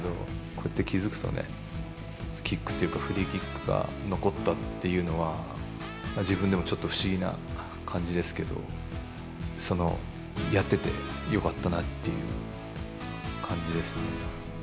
こうやって気付くと、キックっていうか、フリーキックが残ったっていうのは、自分でもちょっと不思議な感じですけど、その、やっててよかったなっていう感じです。